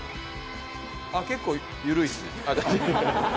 あ、結構緩いですね。